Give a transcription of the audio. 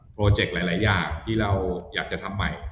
เจกต์หลายอย่างที่เราอยากจะทำใหม่